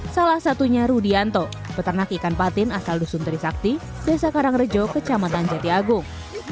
salah satunya rudianto peternak ikan patin asal dusun terisakti desa karangrejo kecamatan jatiagung